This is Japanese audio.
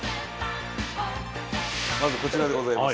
まずこちらでございます。